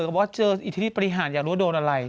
เมื่อเพราะว่าเจออิทธิปริหารอยากรวดโดนอะไร